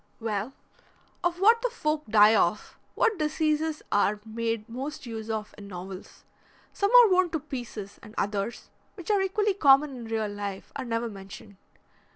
"Well, of what the folk die of, and what diseases are made most use of in novels. Some are worn to pieces, and others, which are equally common in real life, are never mentioned.